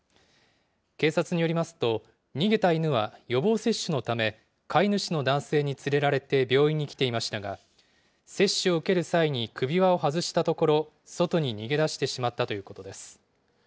警察によりますと、逃げた犬は予防接種のため、飼い主の男性に連れられて病院に来ていましたが、接種を受ける際に首輪を外したところ、外に逃げ出してしまったということです。